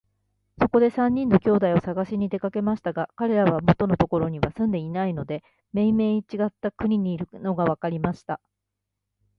そこで三人の兄弟をさがしに出かけましたが、かれらは元のところには住んでいないで、めいめいちがった国にいるのがわかりました。